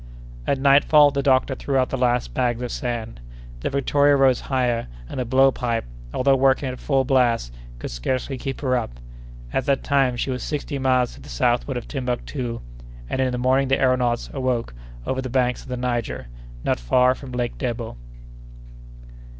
At nightfall the doctor threw out the last bags of sand. The Victoria rose higher, and the blow pipe, although working at full blast, could scarcely keep her up. At that time she was sixty miles to the southward of Timbuctoo, and in the morning the aëronauts awoke over the banks of the Niger, not far from Lake Debo.